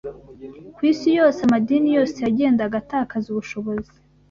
Ku isi yose, amadini yose yagendaga atakaza ubushobozi